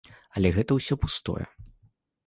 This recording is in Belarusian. Але гэта ўсё пустое.